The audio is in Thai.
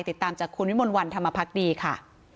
ติดตามจากคุณวิมลวันธรรมพักดีค่ะ